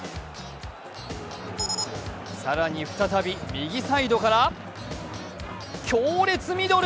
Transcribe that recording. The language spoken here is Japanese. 更に再び右サイドから強烈ミドル！